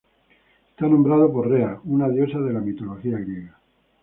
Está nombrado por Rea, una diosa de la mitología griega.